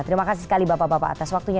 terima kasih sekali bapak bapak atas waktunya